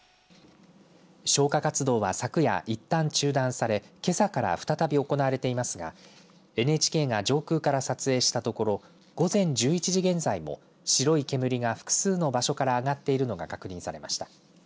消火活動は昨夜いったん中断されけさから再び行われていますがＮＨＫが上空から撮影したところ午前１１時現在も白い煙が複数の場所から上がっているのが確認されました。